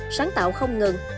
sáng tạo không ngừng